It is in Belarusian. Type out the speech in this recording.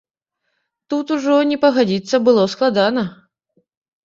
Тут ужо не пагадзіцца было складана.